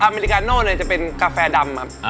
อเมริกาโน่เนี่ยจะเป็นกาแฟดำค่ะ